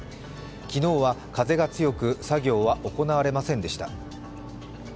昨日は風が強く作業は行われませんでした。